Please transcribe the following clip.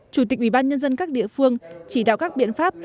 chủ tịch ủy ban nhân dân các địa phương chỉ đạo các biện pháp